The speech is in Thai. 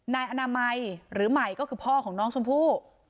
นายอนามัยหรือใหม่ก็คือพ่อของน้องชมพู่